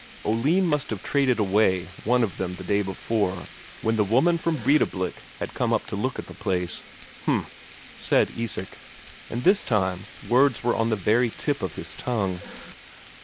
Oline must have traded away one of them the day before, when the woman from Breidablik had come up to look at the place. "H'm," said Isak, and this time words were on the very tip of his tongue.